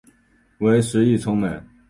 为时议称美。